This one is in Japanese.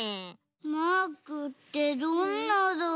マークってどんなだっけ？